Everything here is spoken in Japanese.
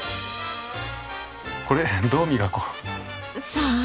これどう磨こう？さあ。